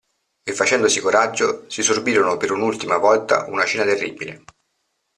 E, facendosi coraggio, si sorbirono per un'ultima volta una cena terribile.